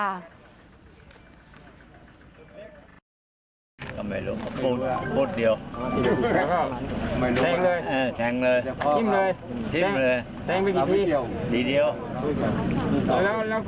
เพราะมันหลายครั้งนึงมาหลายครั้งแล้ว